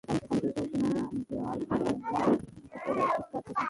Committee ঘোষণা দেওয়া হয় ওপরের স্তর থেকে।